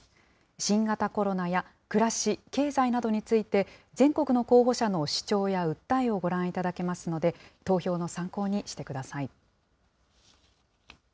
新型コロナや暮らし・経済などについて、全国の候補者の主張や訴えをご覧いただけますので、投票の参考にしてください。